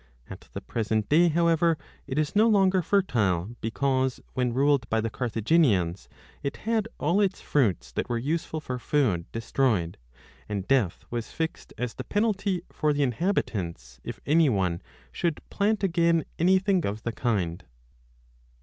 At the present day, however, it is no longer fertile, because when ruled by the Carthaginians it had all its fruits that were useful for food destroyed, and death was fixed as the 1 Sc. Heracles. 3 Gr. 1 C 2 8a8 b DE MIRABILIBUS penalty for the inhabitants if any one should plant again anything of the kind.